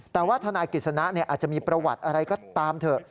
แต่ว่าทนายกฤษณะอาจจะมีประวัติอะไรก็ตามเถอะ